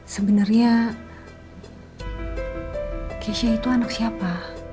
sebenernya keisha itu anak siapa